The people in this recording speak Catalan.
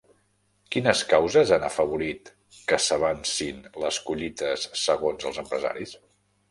Quines causes han afavorit que s'avancin les collites segons els empresaris?